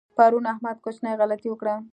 پرون احمد کوچنۍ غلطۍ وکړه.